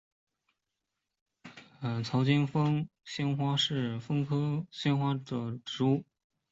槽茎凤仙花是凤仙花科凤仙花属的植物。